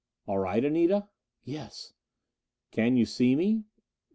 "All right, Anita?" "Yes." "Can you see me?"